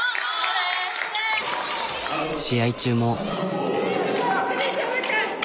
試合中も。